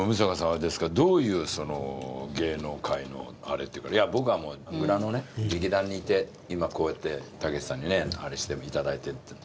あれですかどういう芸能界のあれ」って言うから「いや僕はもう裏のね劇団にいて今こうやってたけしさんにねあれして頂いて」